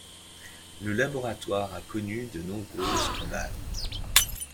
Le laboratoire a connu de nombreux scandales.